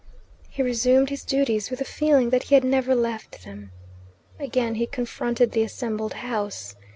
He resumed his duties with a feeling that he had never left them. Again he confronted the assembled house.